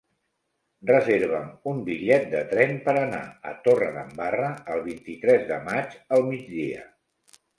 Reserva'm un bitllet de tren per anar a Torredembarra el vint-i-tres de maig al migdia.